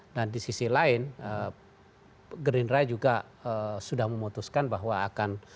dan di sisi lain gerindra juga sudah memutuskan bahwa akan